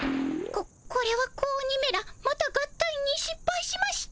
ここれは子鬼めらまた合体にしっぱいしました。